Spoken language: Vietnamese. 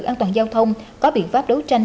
an toàn giao thông có biện pháp đấu tranh